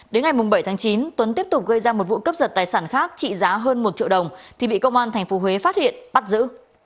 đến ngày bảy tháng chín tuấn tiếp tục gây ra một vụ cướp giật tài sản khác trị giá hơn một triệu đồng thì bị công an tp huế phát hiện bắt giữ